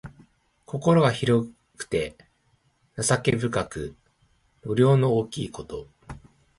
心が広くて情け深く、度量の大きいこと。